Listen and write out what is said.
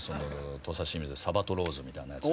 「土佐清水さばとローズ」みたいなやつ。